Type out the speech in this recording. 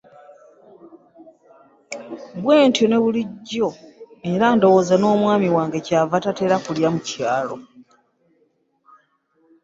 Bwentyo ne bulijjo era ndowooza n'omwami wange kyava tatera kulya mu kyalo.